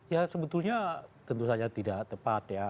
ya sebetulnya tentu saja tidak tepat ya